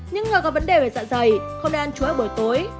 những người có vấn đề về dạ dày không nên ăn chuối buổi tối